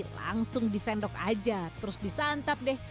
langsung disendok aja terus disantap deh